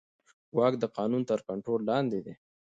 واک د قانون تر کنټرول لاندې دی.